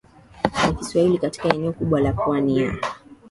wa Kiswahili katika eneo kubwa la pwani ya